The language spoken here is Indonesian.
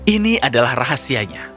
ini adalah rahasianya